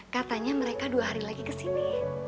katanya mereka dua hari lagi kesini